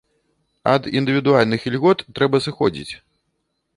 Ад індывідуальных ільгот трэба сыходзіць.